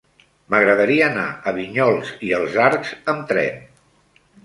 M'agradaria anar a Vinyols i els Arcs amb tren.